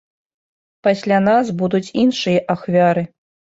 Пасля нас будуць іншыя ахвяры.